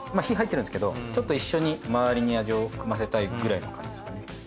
火入ってるんですけどちょっと一緒に周りに味を含ませたいくらいの感じですかね。